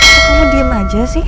kok kamu diem aja sih